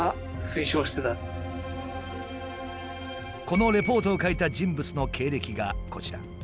このリポートを書いた人物の経歴がこちら。